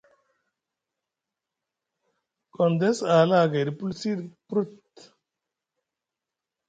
Gondes a hala aha gayɗi pulsi ɗa purut.